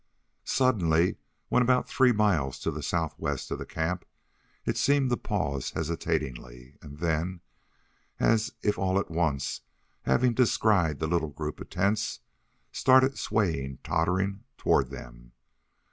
Suddenly, when about three miles to the southwest of the camp, it seemed to pause hesitatingly; and then, as if all at once having descried the little group of tents, started swaying, tottering toward them.